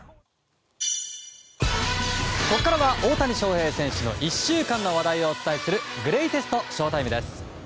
ここからは大谷翔平選手の１週間の話題をお伝えするグレイテストＳＨＯ‐ＴＩＭＥ。